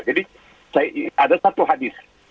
jadi ada satu hadis